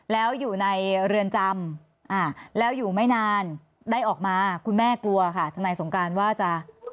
แล้วอยู่ในเรือนจำแล้วอยู่ไม่นานได้ออกมาคุณแม่กลัวค่ะทนายสงการว่าจะ